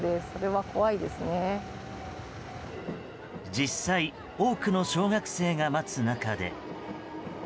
実際多くの小学生が待つ中で。